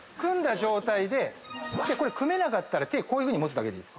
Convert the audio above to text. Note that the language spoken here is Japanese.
これ組めなかったら手こういうふうに持つだけでいい。